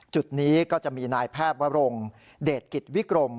จุดนี้ก็จะมีนายแพทย์วรงเดชกิจวิกรม